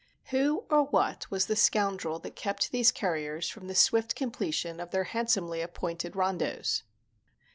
] Who or what was the scoundrel that kept these couriers from the swift completion of their handsomely appointed rondos?